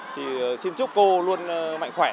thì xin chúc cô luôn mạnh khỏe